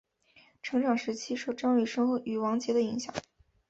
成长时期受张雨生与王杰的影响。